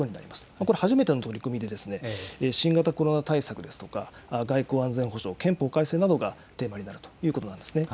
これ初めての取り組みでですね、新型コロナ対策ですとか、外交安全保障、憲法改正などがテーマになるということなんですね。